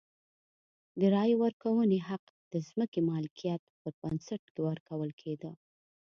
د رایې ورکونې حق د ځمکې مالکیت پر بنسټ ورکول کېده.